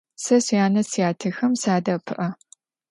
Se syane - syatexem sade'epı'e.